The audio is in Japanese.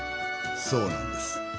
そうなんです